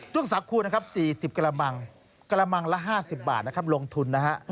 ้วงสาคูนะครับ๔๐กระมังละ๕๐บาทนะครับลงทุนนะฮะ